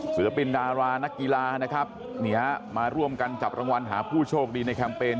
ศิลปินดารานักกีฬานะครับนี่ฮะมาร่วมกันจับรางวัลหาผู้โชคดีในแคมเปญ